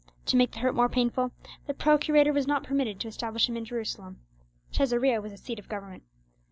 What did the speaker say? To make the hurt more painful, the procurator was not permitted to establish himself in Jerusalem; Caesarea was his seat of government.